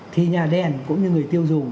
thì nhà đèn cũng như người tiêu dùng